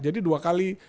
jadi dua kali